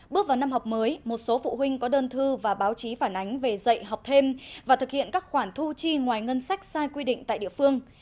bước vào năm học mới một số phụ huynh có đơn thư và báo chí phản ánh về dạy học thêm và thực hiện các khoản thu chi ngoài ngân sách sai quy định tại địa phương